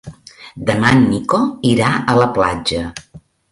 Demà en Nico irà a la platja.